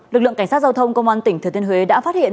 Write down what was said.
lực lượng cảnh sát giao thông công an tỉnh thừa thiên huế đã phát hiện